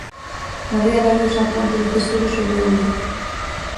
Na ría de Arousa a ponte de Cesures sobre o Ulla.